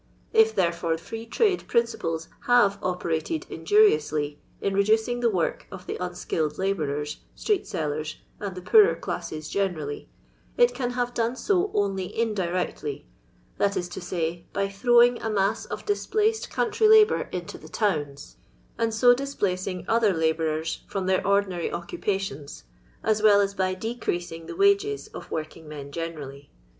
If, therefore, Free Trade principles /tare operated injuriously in reducing the work of the unskilled labourers, street sellers, and the poorer classes generally, it can have done so only in directly ; that is to say, by throwing a mass of displaced country labour into the towns, and so LONDON LABOUR AND THE LONDON POOH 229 difpUcing other Ubonren from their ordinary occupations, as well as hj decreasing the wages of working«inen generally.